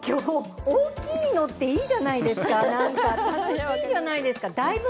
大きいのっていいじゃないですか、楽しいじゃないですか。